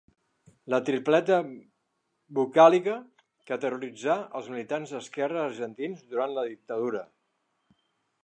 La tripleta vocàlica que terroritzà els militants d'esquerra argentins durant la dictadura.